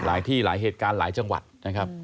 หลายที่หลายเหตุการณ์หลายจังหวัดนะครับ